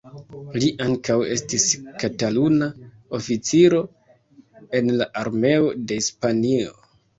Li ankaŭ estis Kataluna oficiro en la Armeo de Hispanio.